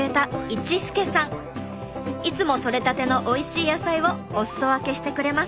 いつも取れたてのおいしい野菜をおすそ分けしてくれます。